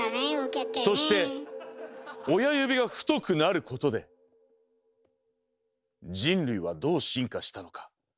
そして親指が太くなることで人類はどう進化したのか。